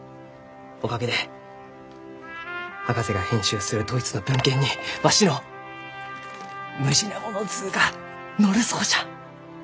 おかげで博士が編集するドイツの文献にわしのムジナモの図が載るそうじゃ！